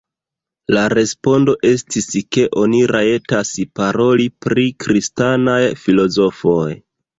La respondo estis ke oni rajtas paroli pri kristanaj filozofoj.